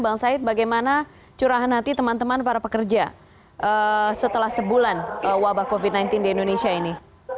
bang said bagaimana curahan hati teman teman para pekerja setelah sebulan wabah covid sembilan belas di indonesia ini